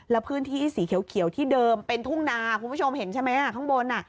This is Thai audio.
แล้วพื้นที่สีเขียวที่เดิมเป็นทุ่งนาคุณผู้ชมเห็นใช่ไหมข้างบน